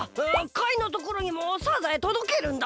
カイのところにもサザエとどけるんだった！